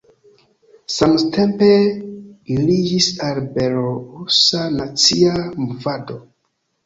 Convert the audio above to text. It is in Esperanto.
Samtempe aliĝis al belorusa nacia movado.